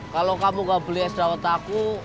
kalau kamu gak beli es dawet aku